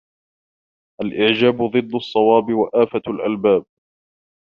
الْإِعْجَابُ ضِدُّ الصَّوَابِ وَآفَةُ الْأَلْبَابِ